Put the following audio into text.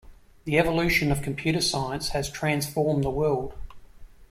The evolution of computer science has transformed the world.